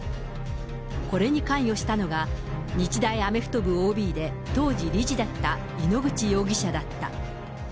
これに関与したのが、日大アメフト部ＯＢで当時理事だった井ノ口容疑者だった。